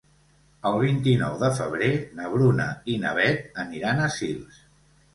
El vint-i-nou de febrer na Bruna i na Beth aniran a Sils.